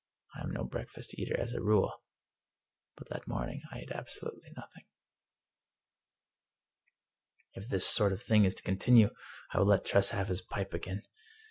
I am no breakfast eater as a rule, but that morning I ate ab solutely nothing. " If this sort of thing is to continue, I will let Tress have his pipe again.